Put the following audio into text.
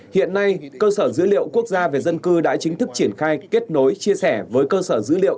hiện nay cơ sở dữ liệu quốc gia về dân cư đã chính thức triển khai kết nối chia sẻ với cơ sở dữ liệu